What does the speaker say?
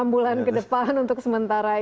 enam bulan ke depan untuk sementara